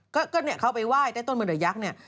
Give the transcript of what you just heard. ก็เข้าไปไหว้ใต้ต้นมือเดือยักษ์เนี่ย